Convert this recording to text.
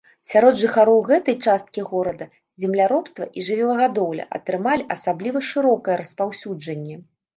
Сярод жыхароў гэтай часткі горада земляробства і жывёлагадоўля атрымалі асабліва шырокае распаўсюджанне.